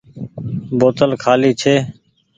بوتل کآلي ڇي۔